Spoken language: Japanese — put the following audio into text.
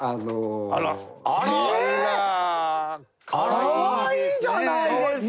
かわいいじゃないですか！